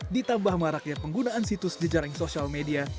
ditambah maraknya penggunaan situs jejaring sosial media